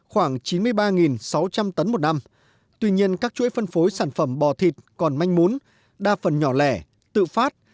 một trăm tám mươi ba sáu trăm linh tấn một năm tuy nhiên các chuỗi phân phối sản phẩm bò thịt còn manh muốn đa phần nhỏ lẻ tự phát